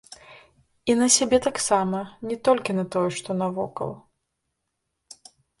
І на сябе таксама, не толькі на тое, што навокал.